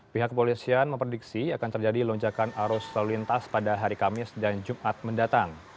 pihak kepolisian memprediksi akan terjadi lonjakan arus lalu lintas pada hari kamis dan jumat mendatang